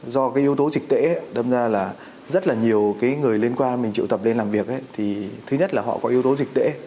do cái yếu tố dịch tễ đâm ra là rất là nhiều cái người liên quan mình triệu tập lên làm việc thì thứ nhất là họ có yếu tố dịch tễ